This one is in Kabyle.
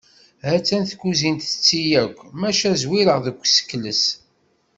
Ha-tt-an tkuzint tetti akk maca zwireɣ deg usekles.